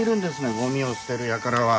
ゴミを捨てるやからは。